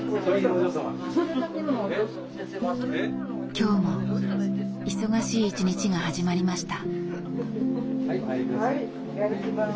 今日も忙しい一日が始まりました。